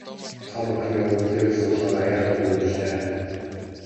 Том охиноо өвөр дээрээ суулгаад аяархан бүүвэйллээ.